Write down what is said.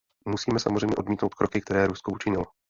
Musíme samozřejmě odmítnout kroky, které Rusko učinilo.